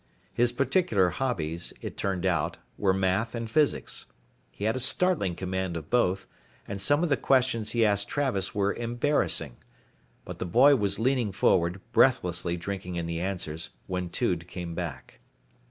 His particular hobbies, it turned out, were math and physics. He had a startling command of both, and some of the questions he asked Travis were embarrassing. But the boy was leaning forward, breathlessly drinking in the answers, when Tude came back.